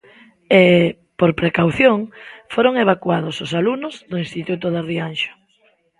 E, por precaución, foron evacuados os alumnos do instituto de Rianxo.